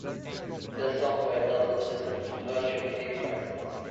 Their software does not listen for virtual keypresses.